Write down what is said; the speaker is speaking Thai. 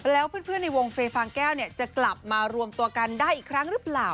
แล้วเพื่อนในวงเฟย์ฟางแก้วจะกลับมารวมตัวกันได้อีกครั้งหรือเปล่า